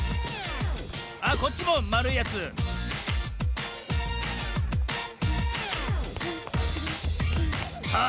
あっこっちもまるいやつさあ